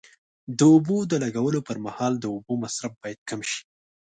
د اوبو د لګولو پر مهال د اوبو مصرف باید کم شي.